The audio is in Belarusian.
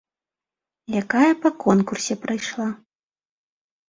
Якая па конкурсе прайшла.